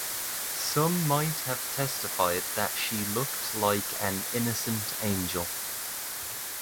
Some might have testified that she looked like an innocent angel.